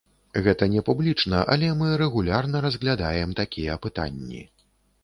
Гэта не публічна, але мы рэгулярна разглядаем такія пытанні.